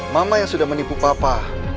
mama yang sudah menipu papa